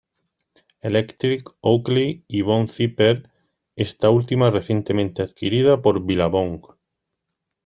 Electric, Oakley y Von Zipper, esta última recientemente adquirida por Billabong.